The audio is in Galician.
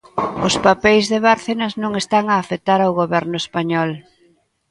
Os papeis de Bárcenas non están a afectar ao goberno español.